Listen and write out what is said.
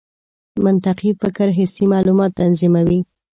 منطقي فکر حسي معلومات تنظیموي.